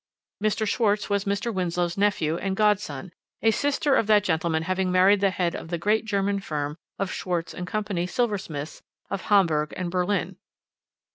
"Mr. Schwarz was Mr. Winslow's nephew and godson, a sister of that gentleman having married the head of the great German firm of Schwarz & Co., silversmiths, of Hamburg and Berlin.